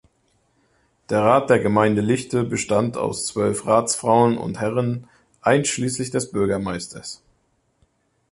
Der Rat der Gemeinde Lichte bestand aus zwölf Ratsfrauen und -herren einschließlich des Bürgermeisters.